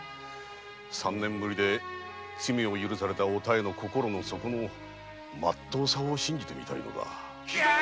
三年ぶりに罪を許されたお妙の心の底の「まっとうさ」を信じてみたいのだ。